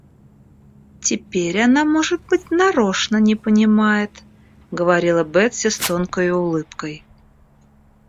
Теперь она, может быть, нарочно не понимает, — говорила Бетси с тонкою улыбкой.